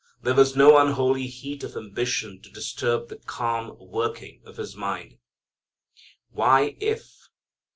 There was no unholy heat of ambition to disturb the calm working of His mind. Why "if"?